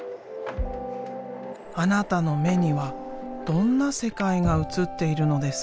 あなたの目にはどんな世界が映っているのですか？